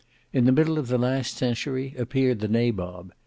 In the middle of the last century appeared the Nabob.